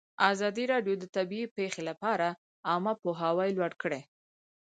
ازادي راډیو د طبیعي پېښې لپاره عامه پوهاوي لوړ کړی.